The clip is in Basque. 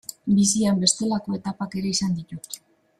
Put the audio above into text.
Bizian bestelako etapak ere izan ditut.